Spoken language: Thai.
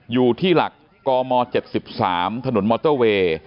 อยู่ที่หลักกม๗๓ถนนมอเตอร์เวย์